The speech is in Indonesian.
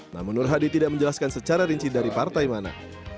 namun nur hadi tidak menjelaskan secara rinci dari partai mana